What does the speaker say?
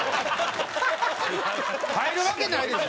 入るわけないでしょ！